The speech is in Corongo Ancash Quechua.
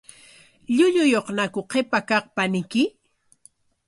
¿Llulluyuqñaku qipa kaq paniyki?